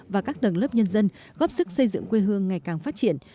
và các tầng lớp nhân dân góp sức xây dựng quê hương ngày càng phát triển